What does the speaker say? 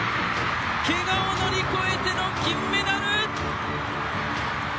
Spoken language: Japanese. けがを乗り越えての金メダル。